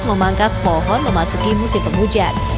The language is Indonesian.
memangkas pohon memasuki musim penghujan